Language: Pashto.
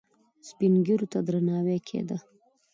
سپین ږیرو ته درناوی کیده